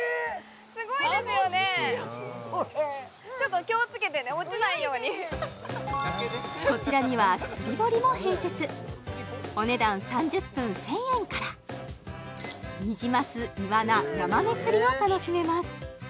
すごいですよねちょっと気をつけてね落ちないようにこちらには釣り堀も併設お値段３０分１０００円からニジマスイワナヤマメ釣りを楽しめます